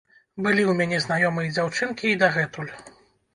Былі ў мяне знаёмыя дзяўчынкі і дагэтуль.